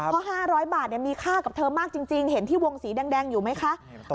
เพราะ๕๐๐บาทมีค่ากับเธอมากจริงเห็นที่วงสีแดงอยู่ไหมคะ